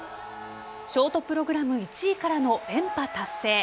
ショートプログラム１位からの連覇達成。